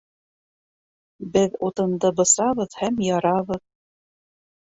Беҙ утынды бысабыҙ һәм ярабыҙ